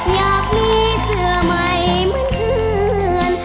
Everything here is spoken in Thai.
อยากมีเสื้อใหม่เหมือนเพื่อน